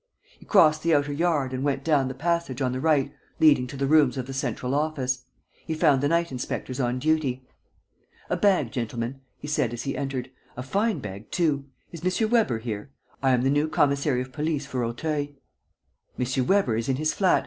He crossed the outer yard and went down the passage on the right leading to the rooms of the central office. He found the night inspectors on duty. "A bag, gentlemen," he said, as he entered, "a fine bag too. Is M. Weber here? I am the new commissary of police for Auteuil." "M. Weber is in his flat.